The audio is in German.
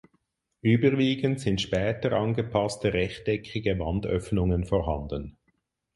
Überwiegend sind später angepasste rechteckige Wandöffnungen vorhanden.